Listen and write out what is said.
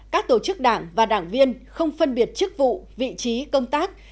các tổ chức đảng và đảng viên không phân biệt chức vụ vị trí công tác